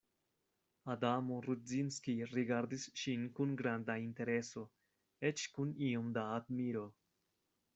Adamo Rudzinski rigardis ŝin kun granda intereso, eĉ kun iom da admiro.